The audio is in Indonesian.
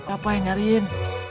apa yang cariin